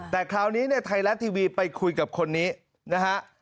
แต่คราวนี้เนี่ยไทยรัฐทีวีไปคุยกับคนนี้นะฮะ